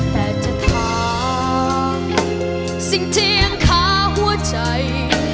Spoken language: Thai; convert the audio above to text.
แต่จะถามสิ่งเทียงขาหัวใจ